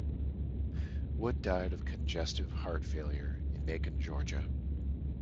Wood died of congestive heart failure in Macon, Georgia.